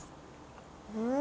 うん。